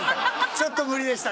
ちょっと無理でした。